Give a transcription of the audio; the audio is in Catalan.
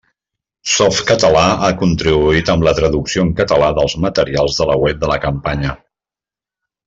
Softcatalà ha contribuït amb la traducció en català dels materials de la web de la campanya.